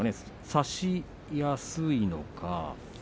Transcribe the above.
差しやすいのかどうか。